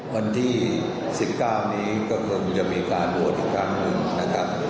วันที่๑๙นี้ก็คงจะมีการโหวตอีกครั้งหนึ่งนะครับ